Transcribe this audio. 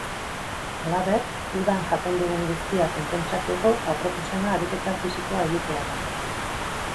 Halaber, udan jaten dugun guztia konpentsatzeko aproposena ariketa fisikoa egitea da.